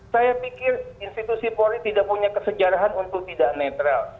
saya pikir institusi polri tidak punya kesejarahan untuk tidak netral